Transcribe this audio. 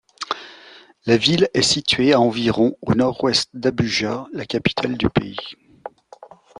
La ville est située à environ au nord-ouest d'Abuja, la capitale du pays.